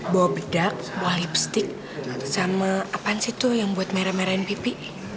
bawa bedak bawa lipstick sama apaan sih tuh yang buat merah merahin pipi